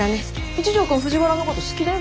一条くん藤原のこと好きだよ